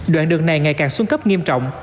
đoạn đường này ngày càng xuống cấp nghiêm trọng